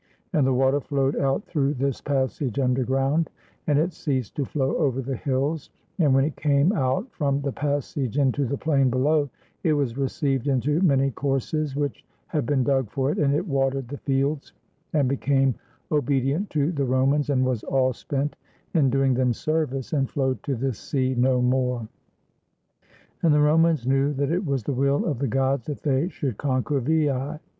And the water flowed out through this passage underground ; and it ceased to flow over the hills; and when it came out from the passage into the plain below, it was received into many courses which had been dug for it, and it watered the fields, and became obedient to the Romans, and was all spent in doing them service, and flowed to the sea no more. And the Romans knew that it was the will of the gods that they should conquer Veii.